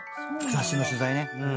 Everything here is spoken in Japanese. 雑誌の取材ね。